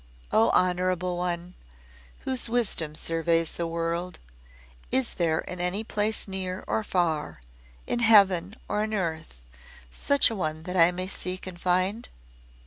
O, honorable One, whose wisdom surveys the world, is there in any place near or far in heaven or in earth, such a one that I may seek and find?"